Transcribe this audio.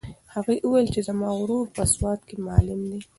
هغې وویل چې زما ورور په سوات کې معلم دی.